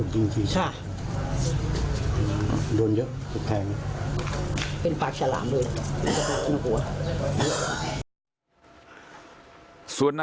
คนเจ็บก็บอกว่า